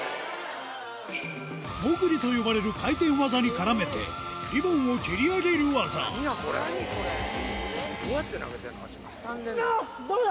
「もぐり」と呼ばれる回転技に絡めてリボンを蹴り上げる技何や？